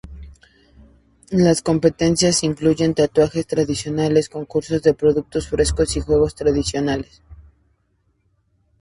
Las competiciones incluyen tatuajes tradicionales, concursos de productos frescos y juegos tradicionales.